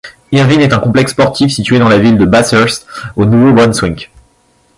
Irving est un complexe sportif situé dans la ville de Bathurst, au Nouveau-Brunswick.